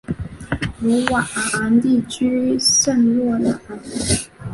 鲁瓦昂地区圣洛朗。